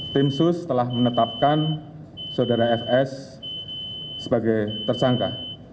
tim sus telah menetapkan saudara fs sebagai tersangka